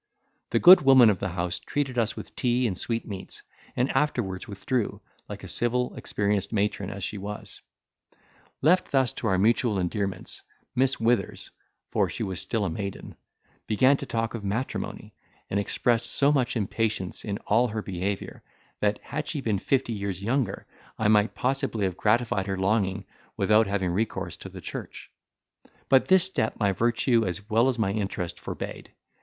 The good woman of the house treated us with tea and sweetmeats, and afterwards withdrew, like a civil experienced matron as she was. Left thus to our mutual endearments, Miss Withers (for she was still a maiden) began to talk of matrimony, and expressed so much impatience in all her behaviour that, had she been fifty years younger, I might possibly have gratified her longing without having recourse to the church; but this step my virtue as well as interest forbade.